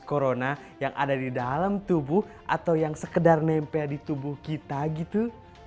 corona yang ada di dalam tubuh atau yang sekedar nempel di tubuh kita gitu